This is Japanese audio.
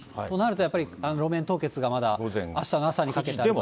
となるとやっぱり、路面凍結がまだあしたの朝にかけて。